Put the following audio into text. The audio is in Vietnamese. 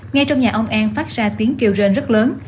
ngay trong nhà ông an phát ra tiếng kêu rên rất lớn